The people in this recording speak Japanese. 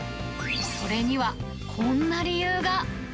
それには、こんな理由が。